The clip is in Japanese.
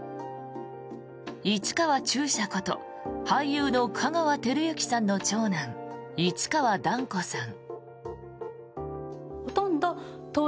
市川中車こと俳優の香川照之さんの長男市川團子さん。